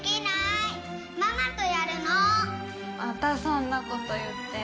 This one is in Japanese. またそんなこと言って。